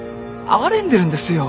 哀れんでるんですよ。